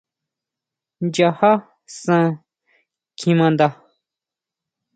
Nchaja san kjimanda.